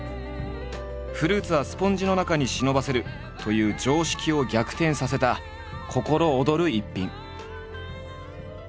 フルーツはスポンジの中に忍ばせるという常識を逆転させた心躍る逸品。